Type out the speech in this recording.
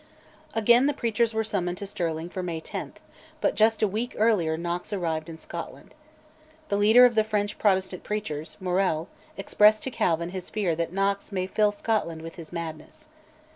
Again the preachers were summoned to Stirling for May 10, but just a week earlier Knox arrived in Scotland. The leader of the French Protestant preachers, Morel, expressed to Calvin his fear that Knox "may fill Scotland with his madness."